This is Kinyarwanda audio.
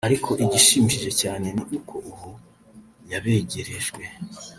ariko igishimishije cyane ni uko ubu yabegerejwe